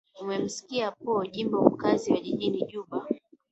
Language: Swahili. umemsikia po jimbo mkaazi wa jijini juba